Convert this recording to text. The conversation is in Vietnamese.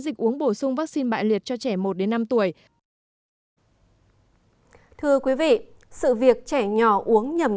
dịch uống bổ sung vaccine bại liệt cho trẻ một năm tuổi thưa quý vị sự việc trẻ nhỏ uống nhầm